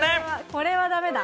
これはだめだ。